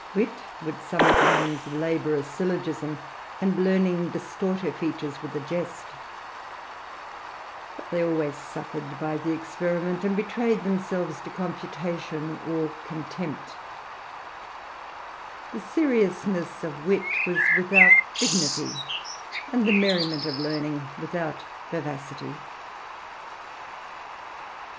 Wit would sometimes labour a syllogism, and Learning distort her features with a jest; but they always suffered by the experiment, and betrayed themselves THE RAMBLER. 45 to confutation or contempt The seriousness of Wit was without dignity, and the merriment of Learning without vivacity.